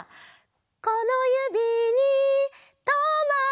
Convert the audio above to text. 「このゆびにとまれ」